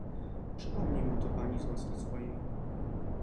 "Przypomnij mu to pani z łaski swojej."